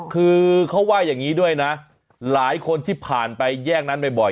คือเขาว่าอย่างนี้ด้วยนะหลายคนที่ผ่านไปแยกนั้นบ่อย